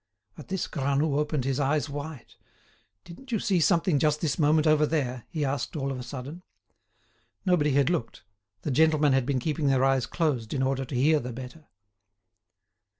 At this Granoux opened his eyes wide. "Didn't you see something just this moment over there?" he asked all of a sudden. Nobody had looked; the gentlemen had been keeping their eyes closed in order to hear the better.